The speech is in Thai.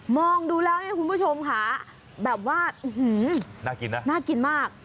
องดูแล้วเนี่ยคุณผู้ชมค่ะแบบว่าน่ากินนะน่ากินมาก